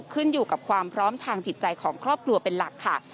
ขึ้นอยู่กับความพร้อมทางจิตใจของครอบครัวเป็นหลักค่ะ